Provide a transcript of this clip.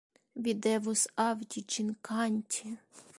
Vi devus aŭdi ĝin kanti.